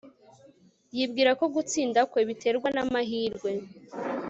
yibwira ko gutsinda kwe biterwa n'amahirwe